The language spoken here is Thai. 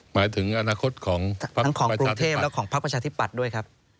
หมายถึงอนาคตของทั้งของกรุงเทพและของพักประชาธิปัตย์ด้วยครับ